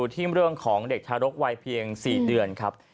ที่เรื่องของเด็กทารกวัยเพียง๔เดือนครับ